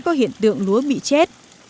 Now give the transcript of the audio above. có hiện tượng lúa bị chết